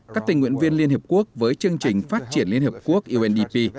các tình nguyện viên liên hiệp quốc với chương trình phát triển liên hợp quốc undp